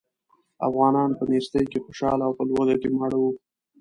افغانان په نېستۍ کې خوشاله او په لوږه کې ماړه وو.